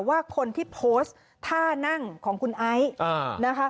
ว่าคนที่โพสต์ท่านั่งของคุณไอซ์นะคะ